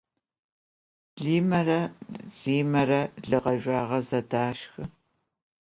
Limere Rimere lı ğezjüağe zedaşşxı.